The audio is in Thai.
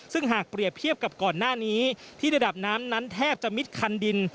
ซึ่งหากเปรียบเทียบกับก่อนหน้านี้ที่ระดับน้ำนั้นแทบจะมิดคันดิน